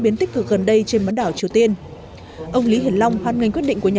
biến tích cực gần đây trên bán đảo triều tiên ông lý hiển long hoan nghênh quyết định của nhà